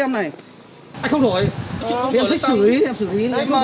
mời em vào làm việc để xử lý cho anh